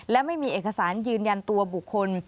และไม่มีเอกสารยืนยันตัวบุคคล